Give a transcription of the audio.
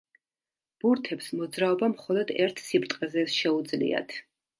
ბურთებს მოძრაობა მხოლოდ ერთ სიბრტყეზე შეუძლიათ.